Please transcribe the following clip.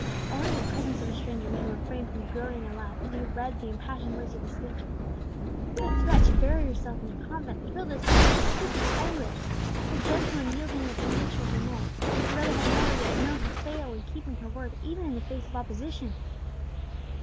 Only the presence of a stranger made him refrain from groaning aloud as he read the impassioned words of his sister. Her threat to bury herself in a convent thrilled his soul with unspeakable anguish; for gentle and yielding as was the nature of Inez, her brother had never yet known her fail in keeping her word, even in the face of opposition.